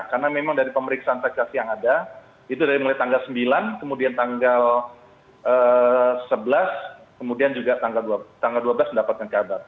karena memang dari pemeriksaan tegas yang ada itu dari mulai tanggal sembilan kemudian tanggal sebelas kemudian juga tanggal dua belas mendapatkan kabar